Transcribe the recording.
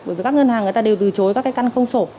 bởi vì các ngân hàng người ta đều từ chối các cái căn không sổ